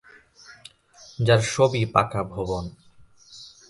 যার সবই পাকা ভবন।